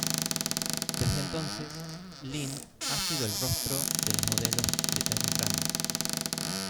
Desde entonces, Lynn ha sido el rostro de las modelos de tallas grandes.